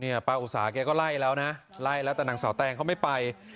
ป้าอุตสาแกก็ไล่แล้วนะไล่แล้วแต่นางสาวแตงเขาไม่ไป